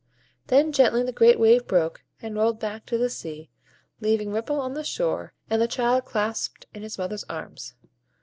Then gently the great wave broke, and rolled back to the sea, leaving Ripple on the shore, and the child clasped in his mother's arms.